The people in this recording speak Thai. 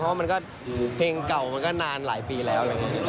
เพราะว่าเพลงเก่ามันก็นานหลายปีแล้ว